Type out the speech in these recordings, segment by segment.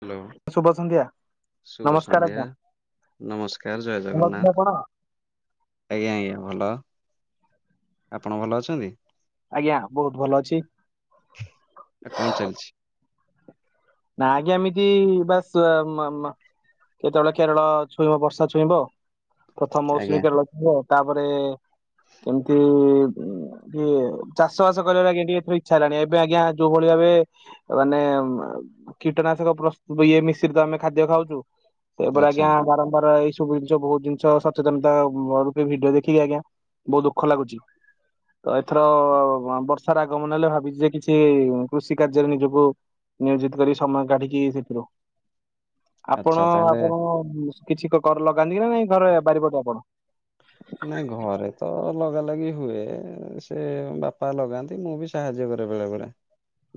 Hello ଶୁଭ ସନ୍ଧ୍ୟା। ଶୁଭ ନମସ୍କାର ସନ୍ଧ୍ୟା ଆଜ୍ଞା ନମସ୍କାର ଜୟ ଭଲ ଅଛନ୍ତି ଜଗନ୍ନାଥ। ଆପଣ? ଆଜ୍ଞା-ଆଜ୍ଞା ଭଲ ଆପଣ ଭଲ ଅଛନ୍ତି? ଆଜ୍ଞା ବହୁତ ଭଲ ଅଛି। ଆଉ କଣ ଚାଲିଛି? [unintelligible] ଏମିତି ବସ୍ ମ ମ କେତେବେଳେ କେରଳ ଛୁଇଁବ ବର୍ଷା ଛୁଇଁବ ପ୍ରଥମ ଆଜ୍ଞା ମୌସୁମୀ କେରଳ ହ ତାପରେ କେମିତି ଇଏ ଚାଷ ବାସ କର ଆଜ୍ଞା ଟିକେ ଏଥିରୁ ଇଚ୍ଛା ହେଲାଣି ଏବେ ଆଜ୍ଞା ଯୋଉ ଭଳି ଭାବେ ମାନେ କୀଟନାଶକ ପ୍ରସ୍ତୁତ ଇଏ ମିଶ୍ର ତ ଆମେ ଖାଦ୍ୟ ଖାଉଛୁ। ସେପ ଆଚ୍ଛା ଆଜ୍ଞା ବାରମ୍ବାର ଏଇ ସବୁ ଜିନିଷ ବହୁତ ଜିନିଷ ସଚେତନତା ରୂ ଭିଡିଓ ଦେଖିକି ଆଜ୍ଞା ବହୁତ ଦୁଃଖ ଲାଗୁଛି। ତ ଏଥର ବର୍ଷାର ଆଗମନ ହେଲେ ଭାବିଛି ଯେ କିଛି କୃଷି କାର୍ଯ୍ୟରେ ନିଜକୁ ନିୟୋଜିତ କରି ସମୟ କାଢିକି ସେଥିରୁ ଆଚ୍ଛା ଆପଣ ତାହେଲେ ଆପଣ କିଛି କର ଲଗାନ୍ତି କି ନା ନାଇଁ ଘରେ ବାରି ପଟେ ଆପଣ? ନ ଘରେ ତ ଲଗା ଲଗି ହୁଏ ସେ ବାପା ଲଗାନ୍ତି ମୁଁ ବି ସାହାଯ୍ୟ କରେ ବେଳେବେଳେ।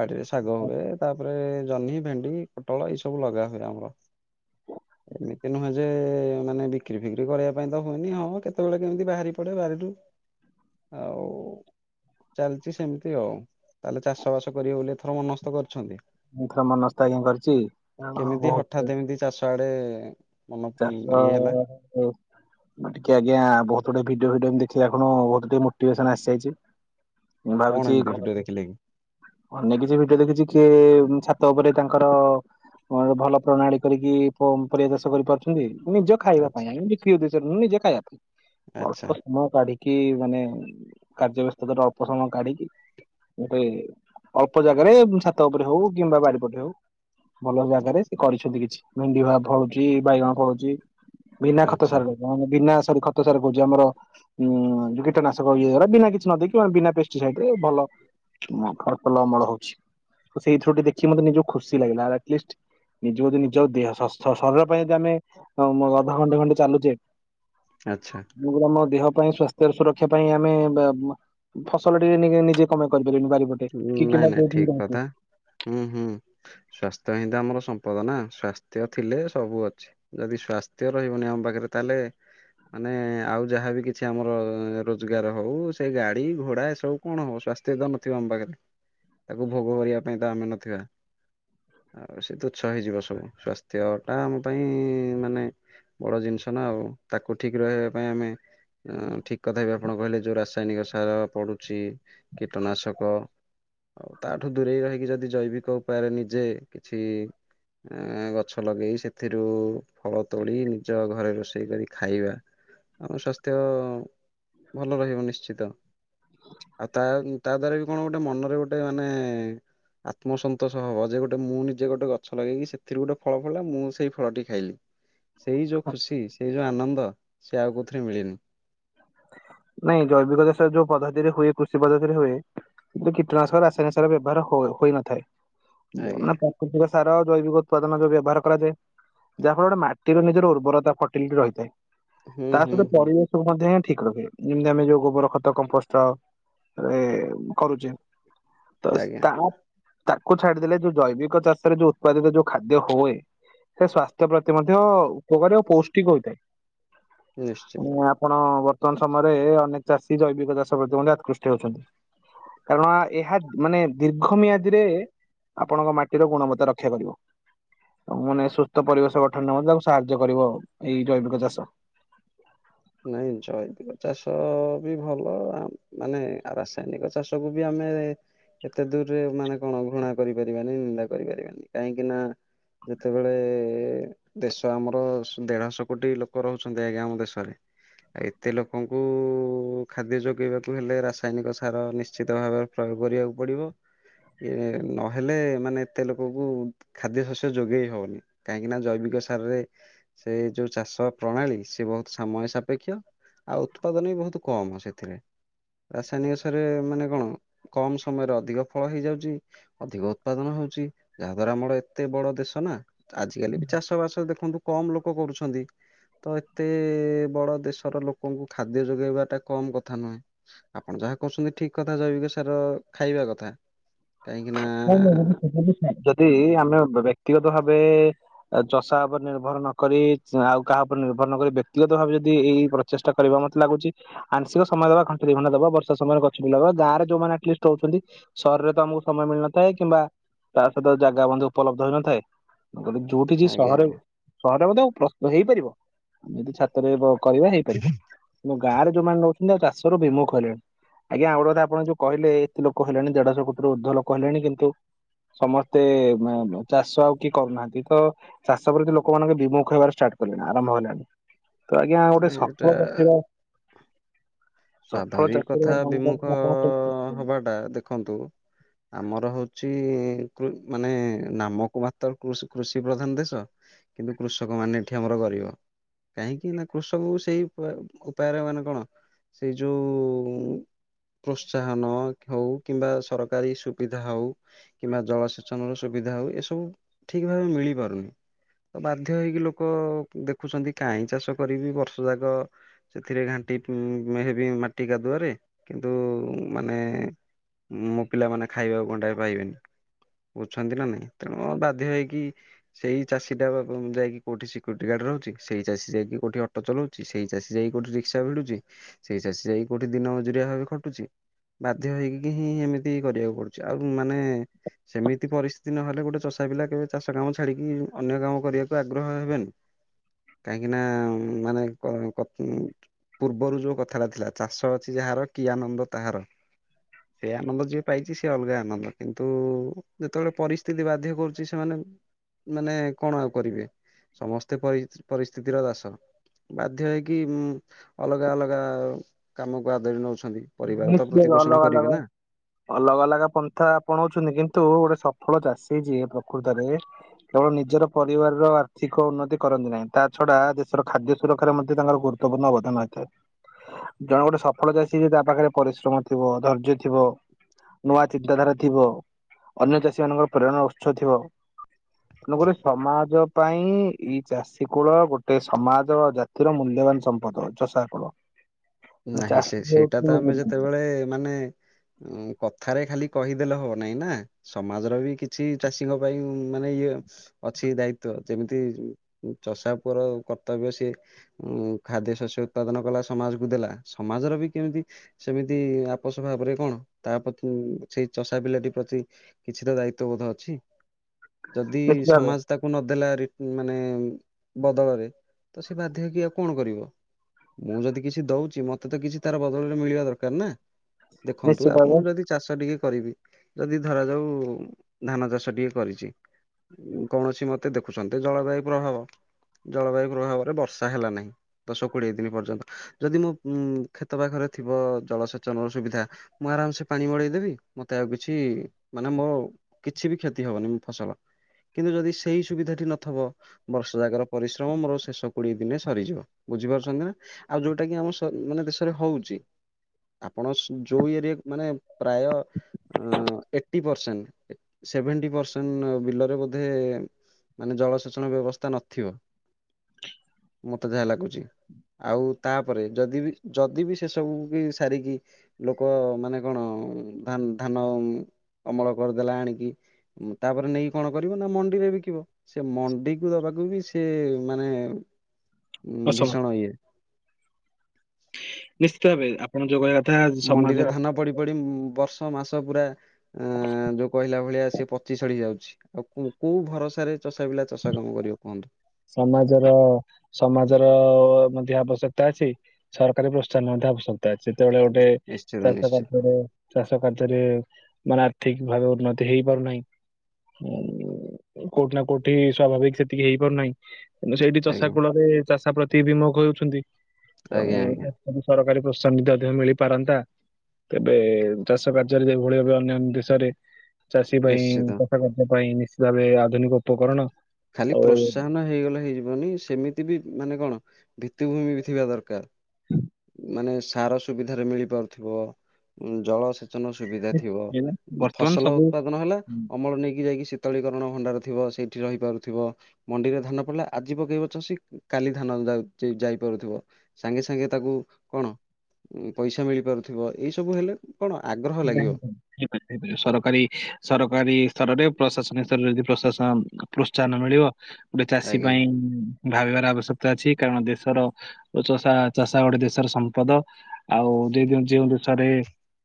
ବାଡିରେ ଶାଗ ହୁଏ ତାପରେ ଜହ୍ନି ଭେଣ୍ଡି ପୋଟଳ ଏଇ ସବୁ ଲଗା ହୁଏ ଆମର। ଏମିତି ନୁହେଁ ଯେ ମାନେ ବିକ୍ରି ଫିକ୍ରି କରିବା ପାଇଁ ତ ହୁଏନି ହଁ କେତେ କେତେବେଳେ କେମିତି ବାହାରି ପଡେ ବାରିରୁ। ଆଉ ଚାଲିଛି ସେମିତି ଆଉ ତାହେଲେ ଚାଷ ବାସ କରିବେ ବୋଲି ଏଥର ମନସ୍ଥ କରିଛନ୍ତି? ମୁଁ ଏଥର ମନସ୍ଥ ଆଜ୍ଞା କରିଛି କାରଣ ବହୁତ ସିଆଡେ ଚାଷ [unintelligible] ମୁଁ ଟିକେ ଆଜ୍ଞା ବହୁତ ଗୁଟେ ଭଡିଓ ଫିଡିଓ ମୂଁ ଦେଖିଲା ଖିଣୁ ବହୁତଟିକେ ମୋଟିଭେସନ ଆସିଯାଇଛି। ମୁଁ କଣ ଭାବୁଛି ଏମିତି ଭିଡିଓ ଘରେ ଦେଖିଲେ କି? ଅନେକ କିଛି ଭିଡିଓ ଦେଖୁଛି କିଏ ଛାତ ଉପରେ ତାଙ୍କର ଭଲ ପ୍ରଣାଳୀ କରିକି ପରବା ଚାଷ କରିପାରୁଛନ୍ତି। ନିଜ ଖାଇବା ଆଛା ପାଇଁ ଏମତିି ବିକ୍ରି ଉଦେସ୍ୟରେ ନୁହଁ ନିଜେ ଖାଇବା ପାଇଁ। ଆଛା ଅଳ୍ପ ସମୟ କାଢିକି କି ମାନେ କାର୍ଯ୍ୟ ବ୍ୟସ୍ତତାାର ଅଳପ ସମୟ କାଢିକି ଗୋଟେ ଅଳ୍ପ ଜାଗାରେ ଛାତ ଉପରେ ହଉ କିମ୍ବା ବାଡି ପଟରେ ହଉ - ଭଲ ଜାଗାରେ ସେ କରିଛନ୍ତି କିଛି ଭେଣ୍ଡି ଭଲ ଫଳୁଛି। ବାଇଗଣ ଫଳୁଛି ବିନା ଖତ ଆଛା ସାରରେ ବିନା ସରି ଖତ ସାର କହୁଛି ଆମର ଉଁ କୀଟନାଶକ ଇଏ ହେଉରା ବିନା କିଛି ନ ଦେଇେଇକିେ ବିନା ପେଷ୍ଟିସାଇଡ ରେ ଭଲ ଫଳ। ଭଲ ଅମଳ ହଉଛି। ତ ସେଇଥିଥରୁ ଟିକେ ଦେଖି ମତେ ନିଜକୁ ଖୁସି ଲାଗିଲା ଆଟଲିଷ୍ଟ ନିଜକୁ ଯଦି ନିଜ ଦେହ ଶ ଶରୀର ପାଇଁ ଯଦି ଆମେ ଅଧଘଣ୍ଟେ ଘଣ୍ଟେ ଚାଲୁଛେ। ଆଛା ଏମିତି ରେ ଆମ ଦେହ ପାଇଁ ସ୍ଵାସ୍ଥ୍ୟ ସୁରକ୍ଷା ପାଇଁ ଆମେ ବେମେ ଫସଲ ଟିକେେ ନିଜେ କଁ ପାଇଁ କରିପାରନି ବାରିପଟେ କି ନାଇଁ ନାଇଁ ଠିକ କିମ୍ବା କଥା ହୁଁ ହୁଁ ସ୍ଵାସ୍ଥ୍ୟ ହିତ ଆମର ସମ୍ପଦ ନା ସ୍ଵାସ୍ଥ୍ୟ ଥିଲେ ସବୁ ଅଛି। ଯଦି ସ୍ଵାସ୍ଥ୍ୟ ରହିବନି ଆମ ପାଖରେ ତାହେଲେ ମାନେ ଆଉ ଯାହାବି କିଛି ଆମର ରୋଜଗାର ହଉ ସେ ଗାଡି ଘୋଡା ଏ ସବୁ କଣ ହବ ସ୍ଵାସ୍ଥ୍ୟ ତ ନଥିବ ଆମ ପାଖରେ ତାକୁ ଭୋଗ କରିବା ପାଇଁ ତ ଆମେ ନଥିବା। ଆଉ ସେ ତୁଚ୍ଛ ହେଇଯିବ ସବୁ ସ୍ୱାସ୍ଥ୍ୟ ଟା ଆମ ପାଇଁ ମାନେ ବଡ ଜିନିଷ ନା ଆଉ ତାକୁ ଠିକ ରହିବା ପାଇଁ ଆମେ ଠିକ କଥା ବି ଆପଣ କହିଲେ ଯୋଉ ରାସାୟନିକ ସାର ପଡୁଛି କୀଟନାଶକ ଆଉ ତାଠୁ ଦୂରେଇ ରହିକି ଯଦି ଜୈବିକ ଉପାୟରେ ନିଜେ କିଛି ଗଛ ଲଗେଇ ସେଥିରୁ ଫଳ ତୋଳି ନିଜ ଘରେ ରୋଷେଇ କରି ଖାଇବା ଆମ ସ୍ୱାସ୍ଥ୍ୟ ଭଲ ରହିବ ନିଶ୍ଚିତ ଆଉ ତା ତା ଦ୍ଵାରା ବି କଣ ଗୋଟେ ମନରେ ଗୋଟେ ମାନେ ଆତ୍ମସନ୍ତୋଷ ହବ ଯେ ଗୋଟେ ମୁଁ ନିଜେ ଗୋଟେ ଗଛ ଲଗେଇକି ସେଥିରୁ ଗୋଟେ ଫଳ ଫଳିଲା ମୁଁ ସେଇ ଫଳଟି ଖାଇଲି। ସେଇ ଯୋଉ ଖୁସି ସେଇ ଯୋଉ ଆନନ୍ଦ ସେ ଆଉ କଉଥିରେ ମିଳେନି। ନାଇଁ ଜୈବିକ ଚାଷ ଯୋଉ ପଦ୍ଧତିରେ ହୁଏ କୃଷି ପଦ୍ଧତିରେ ହୁଏ କିନ୍ତୁ କୀଟନାଶକ ରାସାୟନିକ ବ୍ୟବହାର ହୋଇନଥାଏ। ଆଜ୍ଞା ମାନେ ପ୍ରାକୃତିକ ସାର ଜୈବିକ ଉତ୍ପାଦନ ଯଉ ବ୍ୟବହାର କରାଯାଏ ଯାହା ଫଳରେ ଗୋଟେ ମା ତିର ନିଜର ଉର୍ବରତା ଫର୍ଟିଲିଟି ରହିଥାଏ। ହୁଁ ତା ହୁଁ ସହିତ ହୁଁ ପରିବେସୁମନ ଦେହେଁ ଠିକ ରଖିବ ଯେମିତି ଆମେ ଯୋଉ ଗୋବର ଖତ କମ୍ପୋଷ୍ଟ ରେ କରୁଚେ। ତୋସ ଆଜ୍ଞା ତାପ ତାକୁ ଛାଡିଦେଲେ ଯୋଉ ଜୈବିକ ଚାଷରେ ଯୋଉ ଉତ୍ପାଦିତ ଯୋଉ ଖାଦ୍ୟ ହଏ ତ ସ୍ଵାସ୍ଥ୍ୟ ପ୍ରତି ମଧ୍ୟ ଉପକାର ପୌଷ୍ଟିକ ହୋଇଥାଏ ନିଶ୍ଚିତ। ଉ ଆଁ ପଣ ବର୍ତ୍ତମାନ ସମୟରେ ଅନେକ ଚାଷୀ ଜୈବିକ ଚାଷ ପ୍ରତି ମଧ୍ୟ ଆକୃଷ୍ଠୀ ହେଉଛନ୍ତି। କାରଣ ଏହା ମାନେ ଦୀର୍ଘ ମିିଆଦିରେ ଆପଣଙ୍କ ମାଟିର ଗୁଣମତ୍ତା ରକ୍ଷା କରିବ ମନେ ସୁସ୍ଥ ପରିବେଶ ଗଠନଅ ଦ ସାହାଯ୍ୟ କରିବ ଏଇ ଜୈବିକ ଚାଷ। ନାଇଁ ଜୈବିକ ଚାଷ ବି ଭଲ ଆମ୍ ମାନେ ଆ ରାସାୟନିକ ଚାଷ କୁ ବି ଆମେ ଏତେ ଦୂରେ ମାନେ କଣ ଘୃଣା କରିପାରିବାନି ନିନ୍ଦା କରିପାରିବାନି କାହିଁକି ନା ଯେତେବେଳେ ଦେଶ ଆମର ସ ଦେଢଶହ କୋଟି ଲୋକ ରହୁଛନ୍ତି ଆଜ୍ଞା ଆମ ଦେଶରେ। ଆ ଏତେ ଲୋକଙ୍କୁ ଖାଦ୍ୟ ଯୋଗେଇବାକୁ ହେଲେ ରାସାୟନିକ ସାର ନିଶ୍ଚିତ ଭାବେ ପ୍ରୟୋଗ କରିବାକୁ ପଡିବ ଇଏ ନହେଲେ ମାନେ ଏତେ ଲୋକୋକୁ ଖାଦ୍ୟ ଶସ୍ୟ ଯୋଗେଇ ହବନି କାହିଁକି ନା ଜୈବିକ ସାରରେ ସେଇ ଯଉ ଚାଷ ପ୍ରଣାଳୀ ସେ ବହୁତ ସାମୟ ସାପେକ୍ଷ ଆଉ ଉତ୍ପାଦନ ବି ବହୁତ କମ ସେଥିରେ। ରାସାୟନିକ ସରେ ମାନେ କଣ କମ ସମୟରେ ଅଧିକ ଫଳ ହେଇଯାଉଚି। ଅଧିକ ଉତ୍ପାଦନ ହଉଚି ଯାହା ଦ୍ଵାରା ଆମର ଏତେ ବଡ ଦେଶ ନା। ଆଜିକାଲି ବି ଚାଷ ବାସ ଦେଖନ୍ତୁ କମ ଲୋକ କରୁଛନ୍ତି ତ ଏତେ ଏ ବଡ ଦେଶର ଲୋକଙ୍କୁ ଖାଦ୍ୟ ଯୋଗେଇବା ତ କମ କଥା ନୁହେଁ ଆପଣ ଯାହା କଉସନ୍ତି ଠିକ କଥା ଜୈବିକ ସାର ଖାଇବା କଥା କାହିଁକି ନା ନାଁ ଯଦି ଆମେ ବ ବ୍ୟକ୍ତିଗତ ଭାବେ ଆଉ ଚଷା ଉପରେ ନିର୍ଭର ନକରି ଆଉ କାହା ଉପରେ ନିର୍ଭର ନକରି ବ୍ୟକ୍ତିଗତ ଭାବେ ଯଦି ଏଇ ପର ଚେଷ୍ଟା କରିବା ମତେ ଲାଗୁଚି ଆଂଶିକ ସମଦଳ ଘଣ୍ଟିକି ଘଣ ଦବ ବର୍ଷା ସମୟରେ ଗଛ ଗୁଲବ ଗାଁରେ ଉମାନେ ଆଷ୍ଟଲିଷ୍ଟି ତୋଉଚନ୍ତି ଶହରରେ ତ ଆମକୁ ସମୟ ମିଳିନଥାଏ କିମ୍ବା ତା ସହିତ ଜାଗା ବନ୍ଧୁ ଉପଲବ୍ଧ ହୋଇନଥାଏ ଯୋଉଠି ଜି ଆଜ୍ଞା ସହରରେ ସହରରେ ମଧ୍ୟ ପ୍ର ହେଇପାରିବ ଆମେ ଯଦି ଛାତରେ ବ କରିବା ହେଇପାରିବ। ତୁମ ଗାଁରେ ଯୋଉମାନେ ନେଉଛନ୍ତି ଆଉ ଚାଷରୁ ବିମୁଖ ହେଲେଣି। ଆଜ୍ଞା ଆଉ ଗୋଟେ କଥା ଆପଣ ଯଉ କହିଲେ ତେ ଲୋକ ହେଲେଣି ଦେଢଶହ କୋଟିରୁ ଉର୍ଦ୍ଧ୍ୱ ଲୋକ ହେଲେଣି କିନ୍ତୁ ସମସ୍ତେ ମା ମ୍ ଚାଷ ଆଉ କି କରୁନାହାନ୍ତି ତ ଚାଷ ପ୍ରତି ଲୋକମାଙ୍କ ବିମୁଖ ହେବାରେ ଷ୍ଟାର୍ଟ କଲେଣି ଆରମ୍ଭ ହେଲାଣି। ତ ଆଜ୍ଞା ଗୋଟେ ନାଇଁ ଏଇଟା ସଫଳ ବସିବା ସ୍ୱାଧାବି କଥା ବିମୁଖ ଆପଣ କେମିତି ଦେଖୁଛନ୍ତି? ହବାଟା ଦେଖନ୍ତୁ ଆମର ହଉଚି କୃ ମାନେ ନାମକୁ ମାତ୍ର କୃଷ କୃଷି ପ୍ରଧାନ ଦେଶ। କିନ୍ତୁ କୃଷକ ମାନେ ଏଠି ଆମର ଗରିବ। କାହିଁକି ନା କୃଷକ ସେଇ ପା ଉପାୟରେ ମାନେ କଣ ସେଇ ଯୋଉ ପ୍ରୋତ୍ସାହନ କ୍ଷେଉ କିମ୍ବା ସରକାରୀ ସୁବିଧା ହଉ କିମ୍ବା ଜଳସେଚନ ର ସୁବିଧା ହଉ ଏସବୁ ଠିକ ଭାବେ ମିଳିପାରୁନି। ତ ବାଧ୍ୟ ହେଇକି ଲୋକ ଦେଖୁଛନ୍ତି କାଇଁ ଚାଷ କରିବି ବର୍ଷ ଯାକ ସେଥିରେ ଘାଣ୍ଟି ପୁ ମେ ହେବି ମାଟି କାଦୁଆରେ କିନ୍ତୁ ମାନେ ମୋ ପିଲାମାନୋନ ଖାଇବାକୁ ଗଡାଏଟା ପାଇବେନି। ବୁଛନ୍ତି ନା ନାଇଁ ତେଣୁ ବାଧ୍ୟ ହେଇକି ସେଇ ଚାଷୀ ଟା ବାପମ ଯାଇକି କୋଉଠି ସିକ୍ୟୁରିଟି ଗାର୍ଡ ରହୁଛ ସେଇ ଚାଷୀ ଯାଇକି କୋଉଠି ଅଟୋ ଚଲାଉ ସି ସେଇ ଚାଷୀ ଯାଇ କୋଉଠି ରିକ୍ସା ଭିଡୁଚି ସେଇ ଚାଷୀ ଯାଇକି କୋଉଠି ଦିନ ମଜୁରିଆ ଭାବେ ଖଟୁଚି। ବାଧ୍ୟ ହେଇକି ହିଁ ଏମିତି କରିବାକୁ ପଡୁଚି ଆଉ ମାନେ ସେମିତି ପରିସ୍ଥିତି ନହେଲେ ଗୋଟେ ଚଷା ପିଲା କେବେ ଚାଷ କାମ ଛାଡିକି ଅନ୍ୟ କାମ କରିବାକୁ ଆଗ୍ରହ ହେବେନି। କାହିଁକି ନା ମାନେ କ କତ ପୂର୍ବରୁ ଯୋଉ କ ଥାରା ଥିଲା ଚାଷ ଅଛି ଯାହାର କି ଆନନ୍ଦ ତାହାର। ସେ ଆନନ୍ଦ ଯିଏ ପାଇଛି ସେ ଅଲଗା ଆନନ୍ଦ, କିନ୍ତୁ ଯେତେବେଳେ ପରିସ୍ଥିତି ବାଧ୍ୟ କରୁଛି ସେମାନେ ମାନେ କଣ ଆଉ କରିବେ, ସମସ୍ତେ ପରିସ୍ଥିତିର ଦାସ। ବାଧ୍ୟ ହେଇକି ଅଲଗା ଅଲଗା କାମକୁ ଆଦରି ନଉଛନ୍ତି। ପରିବାର ମୁ ତ ସେ ପ୍ରତିପୋଷଣ ଅଲଗା କରିବେ ଅଲଗା ନା। ଅଲଗା ଅଲଗା ପନ୍ଥା ଆପଣଉଛନ୍ତି, କିନ୍ତୁ ଗୋଟେ ସଫଳ ଚାଷୀ ଯିଏ ପ୍ରକୃତରେ କେବଳ ନିଜର ପରିବାରର ଆର୍ଥିକ ଉନ୍ନତି କରନ୍ତି ନାହିଁ, ତା ଛଡା ଦେଶର ଖାଦ୍ୟ ସୁରକ୍ଷାାରେ ମଧ୍ୟ ତାଙ୍କର ଗୁରୁ ଣ୍ଣ ଅବଦାନ ହୋଇଥାଏ। ଜଣେ ଗୋଟେ ସଫଳ ଚାଷୀ ଯଦି ପାଖରେ ପରିଶ୍ରମ ଥିବ। ଧୈର୍ଯ୍ୟ ଥିବ। ନୂଆ ଚିନ୍ତାଧାରା ଥିବ। ଅନ୍ୟ ଚାଷୀ ମାନଙ୍କର ପ୍ରେରଣାର ଉତ୍ସ ଥିବ। ତେଣୁକରି ସମାଜ ପାଇଁ ଇ ଚାଷୀ କୂଳ ଗୋଟେ ସମାଜ ଜା ଥିର ମୂଲ୍ୟବାନ ସମ୍ପଦ ଚଷା କୁଳ। ନାହିଁ ସେ ସେଇଟା ତ ଆମେ ଯେତେବେଳେ ମାନେ ଉଁ କଥାରେ ଖାଲି କହିଦେଲେ ହବ ନାଇଁ ନା। ସମାଜର ବି କିଛି ଚାଷୀଙ୍କ ପାଇଁ ମାନେ ଇଏ ଅଛି ଦାୟିତ୍ୱ, ଯେମିତି ଚଷା ପୁଅର କର୍ତ୍ତବ୍ୟ ସିଏ ଉ ଖାଦ୍ୟ ଶସ୍ୟ ଉତ୍ପାଦନ କଲା ସମାଜକୁ ଦେଲା, ସମାଜର ବି କେମିତି ସେମିତି ଆପୋଷ ଭାବରେ କଣ, ତା ପତି ସେଇ ଚଷା ପିଲାଟି ପ୍ରତି କିଛି ତ ଦାୟିତବୋଧ ଅଛି। ଯଦି ନିଶ୍ଚିତ ଭାବେ ସମାଜ ତାକୁ ନଦେଲା ରି-ମାନେ ବଦଳରେ, ତ ସେ ବାଧ୍ୟ ହେଇକି ଆଉ କଣ କରିବ। ମୁଁ ଯଦି କିଛି ଦଉଛି, ମତେ ତ କିଛି ତାର ବଦଳରେ ମିଳିବା ଦରକାର ନା, ଦେଖନ୍ତୁ ନିଶ୍ଚିତ ଆ ଭାବେ ମୁଁ ଯଦି ଚାଷ ଟିକେ କରିବି, ଯଦି ଧରାଯାଉ ଧାନ ଚାଷ ଟିକେ କରିଛି। କୌଣସି ମତେ ଦେଖୁଛନ୍ତି ଜଳବାୟୁ ପ୍ରଭାବ ଜଳବାୟୁ ପ୍ରଭାବରେ ବର୍ଷା ହେଲା ନାହିଁ, ଦଶ କୋଡିଏ ଦିନ୍ ପର୍ଯ୍ୟନ୍ତ। ଯଦି ମୋ କ୍ଷେତ ପାଖରେ ଥିବ ଜଳସେଚନର ସୁବିଧା ମୁଁ ଆରାମ ସେ ପାଣି ମଡେଇଦେବି ମତେ ଆଉ କିଛି ମାନେ ମୋ କିଛି ବି କ୍ଷତି ହବନି ଫସଲ, କିନ୍ତୁ ଯଦି ସେଇ ସୁବିଧା ଟି ନଥବ ବର୍ଷ ଜାଗ ର ପରିଶ୍ରମ ମୋର ଶେଷ କୋଡିଏ ଦିନ ରେ ସରିଯିବ। ବୁଝିପାରୁଛନ୍ତି ନା, ଆଉ ଯୋଉଠି ଟା କି ଆମ ମାନେ ଦେଶରେ ହଉଛି, ଆପଣ ଯୋଉ ଏରିଆ ମାନେ ପ୍ରାୟ ଏ ଏଟି ପର୍ସେଣ୍ଟ, ସେଭେଣ୍ଟି ପର୍ସେଣ୍ଟ ବିଲରେ ବୋଧେ ମାନେ ଜଳସେଚନ ବ୍ୟବସ୍ଥା ନଥିବ। ମୋତେ ଯାହା ଲାଗୁଛି, ଆଉ ତାପରେ ଯଦି ବି ଯଦି ବି ସେସବୁ କି ସାରିକି ଲୋକ ମାନେ କଣ, ଧା ଧାନ ଅମଳ କରିଦେଲା ଆଣିକି। ତାପରେ ନେଇକି କଣ କରିବ, ନା ମଣ୍ଡିରେ ବିକିବ। ସେ ମଣ୍ଡି କୁ ଦବାକୁ ବି ସିଏ ମାନେ ଅସମ ଭୀଷଣ ଇଏ ନିଶ୍ଚିତ ଭାବେ ଆପଣ ଯୋଉ କହିବା କଥା ମଣ୍ଡିରେ ସମାଜର ଧାନ ପଡି ପଡି ବର୍ଷ ମାସ ପୁରା ଅ ଯୋଉ କହିଲା ଭଳିଆ ସେ ପ୍ ଚି ସଢି ଯାଉଛି। ଆଉ କୋ-କୋଉ ଭରସାରେ ଚଷା ପିଲା ଚଷା କାମ କରିବ କୁହନ୍ତୁ? ସମାଜର ସମାଜର, ମଧ୍ୟ ଆବଶ୍ୟକତା ଅଛି। ସରକାରୀ ପ୍ରୋତ୍ସାହନ ମଧ୍ୟ ଆବଶ୍ୟକତା ଅଛି। ଯେତେବେଳେ ଗୋଟେ ନିଶ୍ଚିତ ଚାଷ ନିଶ୍ଚିତ କାର୍ଯ୍ୟରେ ଚାଷ କାର୍ଯ୍ୟରେ ମାନେ ଆର୍ଥିକ୍ ଭାବେ ଉନ୍ନତି ହେଇ ପାରୁନାହିଁ। ହଁ କୋଉଠି ନା କୋଉଠି ସ୍ୱାଭାବିକ ସେତିକି ହେଇପାରୁନାହିଁ। ସେଇଠି ଚଷା ଆଜ୍ଞା କୂଳରେ ଚାଷ ପ୍ରତି ବିମଖ ହେଉଛନ୍ତି। ତ ଆଜ୍ଞା ଆଜ୍ଞା ତେଣୁ ସରକାରୀ ପ୍ରୋତ୍ସାହନ ମିଳିପାରନ୍ତା। ତେବେ ଚାଷ କାର୍ଯ୍ୟରେ ଯେଭଳି ଭବେ ଅନ୍ୟାନ୍ୟ ଦେଶରେ ଚାଷୀ ପାଇଁ ନିଶ୍ଚିତ ଚାଷ କାର୍ଯ୍ୟ ପାଇଁ ନିଶ୍ଚିତ ଭାବେ ଆଧୁନିକ ଉପକରଣ ଖାଲି ଆଉ ପ୍ରୋତ୍ସାହନ ହେଇଗଲେ ହେଇଯିବନି, ସେମିତି ବି ମାନେ କଣ ଭିତ୍ତିଭୂମି ବି ଥିବା ଦରକାର। ମାନେ ସାର ସୁବିଧାରେ ମିଳିପାରୁଥିବ। ଜଳ ସେ ଚନ ସୁବିଧା ଥିବ। ବର୍ତ୍ତମାନ ଫସଲ ସବୁ ଉତ୍ପାଦନ ହେଲା ଅମଳ ନେଇକି ଯାଇକି ତଳୀକରଣ ଭଣ୍ଡାର ଥିବ, ସେଠି ରହିପାରୁ ଥିବ ମଣ୍ଡିରେ ଧାନ ପଡିଲେ ଆଜି ପକେଇବ ଚାଷି କାଲି ଧାନ ଯାଉ ଯାଇ ପାରୁଥିବ। ସାଙ୍ଗେ ସାଙ୍ଗେ ତାକୁ କଣ ଉଁ ପଇସା ମିଳି ପାରୁଥିବ ଏଇ ସବୁ ହେଲେ କଣ ଆଗ୍ରହ ହୁଁ ଲାଗିବ। ହୁଁ। ହେଇପାରିବା ହେଇପାରିବା ସରକାରୀ ସରକାରୀ ସ୍ତରରେ ପ୍ରଶାସନିକ ସ୍ତରରେ ଯଦି ପ୍ରଶାସନ ପ୍ରୋତ୍ସାହନ ମିଳିବ ଗୋଟେ ଚାଷୀ ଆଜ୍ଞା ପାଇଁ ଭାବିବାର ଆବଶ୍ୟକତା ଅଛି କାରଣ ଦେଶର ଚଷା ଚଷା ଗୋଟେ ଦେଶର ସମ୍ପଦ ଆଉ ଦେଖନ୍ତୁ ଯେଉଁ ଦେଶରେ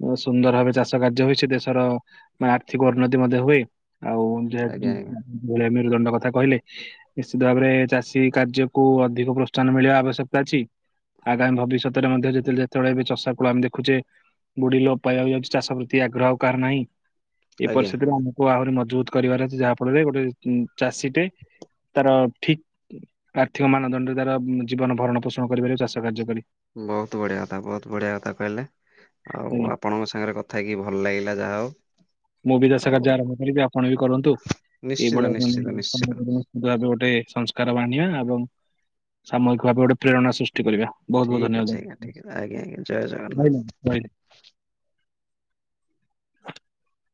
[unintelligible] ସୁନ୍ଦର ଭାବେରେ ଚାଷ କାର୍ଯ୍ୟ ହୁଏ ସେ ଦେଶର ବା ଆର୍ଥିକ ଉନ୍ନତି ମଧ୍ୟ ହୁଏ ଆଉ ଆଜ୍ଞା ଆଜ୍ଞା [unintelligible] ମେରୁଦଣ୍ଡ କଥା କହିଲେ। ନିଶ୍ଚିତ ଭାବରେ ଚାଷୀ କାର୍ଯ୍ୟକୁୁ ଅଧିକ ପ୍ରୋତ୍ସାହନ ମିଳିବା ଆବଶ୍ୟକତା ଅଛି। ଆଗାମୀ ଭବିଷ୍ୟତରେ ମଧ୍ୟ ଯେତେବେଳେ ଯେତେବେଳେ ଏବେ ଚଷା କୂଳ ଆମେ ଦେଖୁଛେ ବୁଢି ଲୋ ପାଇବାକୁ ଯାଉଛି ଚାଷ ପ୍ରତି ଆଗ୍ରହ ଆଉ କାହାର ନାହିଁ ଏ ଆଜ୍ଞା ପରିସ୍ଥିତିରେ ଆମ କୁ ଆହୁରି ମଜବୁତ କରିବାର ଅଛି ଯାହା ଫଳରେ ଗୋଟେ ଉଁ ଚାଷୀଟେ ତାର ଠିକ ଆର୍ଥିକ ମାନଦଣ୍ଡରେ ତାର ଉଁ ଜୀବନ ଭରଣ ପୋଷଣ କରି ପାରିବ ଚାଷ କାର୍ଯ୍ୟ କରି। ବହୁତ ବଢିଆ କଥା ବହୁତ ବଢିଆ କଥା କହିଲେ ଆଉ ଆଜ୍ଞା ଆପଣଙ୍କ ସାଙ୍ଗରେ କ ଥା ହେଇକିି ଭଲ ଲାଗିଲା ଯାହା ହଉ ମୁଁ ବି ଚାଷ ଆଉ କାର୍ଯ୍ୟ ଆରମ୍ଭ କରିବି ଆପଣ ବି କରନ୍ତୁ ନିଶ୍ଚିତ ଏଇଭଳିଆ ମାନେ ନିଶ୍ଚିତ ନିଶ୍ଚିତ ସମବେଦନା ଭାବେ ଗୋଟେ ସଂସ୍କାର ଆଣିବା ଏବଂ ସାମୁହିକ ଭାବେ ଗୋଟେ ପ୍ରେରଣା ସୃଷ୍ଟି କରିବା। ବହୁତ ବହୁତ ଠିକ୍ ଧନ୍ୟବାଦ ଅଛି ଆଜ୍ଞା ଠିକ ଅଛି ଆଜ୍ଞା ଆଜ୍ଞା ଜୟ ଜଗନ୍ନାଥ। ମୁଁ ରହିଲି। [inaudible]